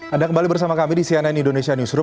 anda kembali bersama kami di cnn indonesia newsroom